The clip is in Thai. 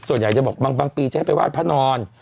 ส่วนใหญ่จะบอกบางปีจะให้ไปไหว้พระนอน